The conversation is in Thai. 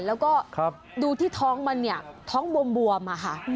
แล้วก็ดูที่ท้องมันเนี่ยท้องบวมอะค่ะ